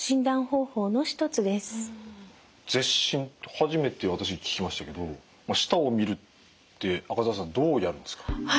初めて私聞きましたけど舌を診るって赤澤さんどうやるんですか？